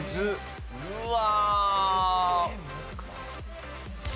うわ。